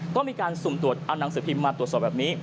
ต้องมีการสุ่มตรวจเอานังสือพิมพ์มาตรวจสอบแบบนี้